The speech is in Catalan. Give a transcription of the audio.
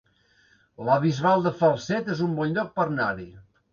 La Bisbal de Falset es un bon lloc per anar-hi